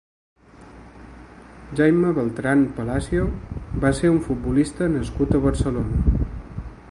Jaime Beltran Palacio va ser un futbolista nascut a Barcelona.